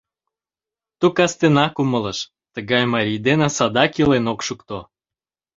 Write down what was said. Ту кастенак умылыш: тыгай марий дене садак илен ок шукто.